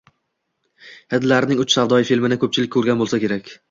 Hindlarning “Uch savdoyi” filmini koʻpchilik koʻrgan boʻlsa kerak.